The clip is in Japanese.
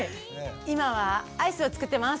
今はアイスを作ってます！